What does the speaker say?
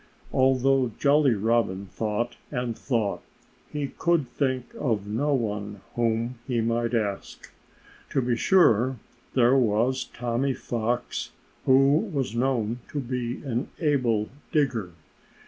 Although Jolly Robin thought and thought, he could think of no one whom he might ask. To be sure, there was Tommy Fox, who was known to be an able digger.